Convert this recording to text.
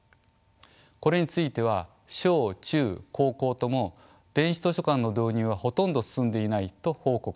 これについては小中高校とも電子図書館の導入はほとんど進んでいないと報告しています。